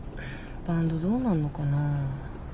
バンドどうなんのかな。